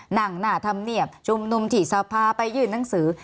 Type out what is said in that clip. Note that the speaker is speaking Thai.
หนังหน้าทำเนียบชุมนุมถิสภาไปยื่นนังสือ